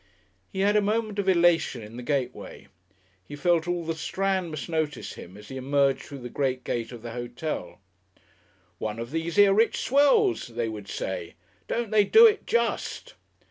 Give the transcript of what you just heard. He had a moment of elation in the gateway. He felt all the Strand must notice him as he emerged through the great gate of the Hotel. "One of these here rich swells," they would say. "Don't they do it just!"